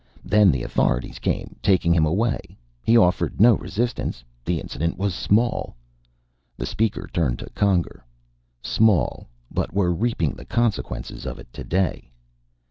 Then the authorities came, taking him away. He offered no resistance; the incident was small." The Speaker turned to Conger. "Small, but we're reaping the consequences of it today."